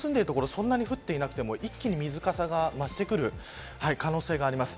そんなに降っていなくても一気に水かさが増してくる可能性があります。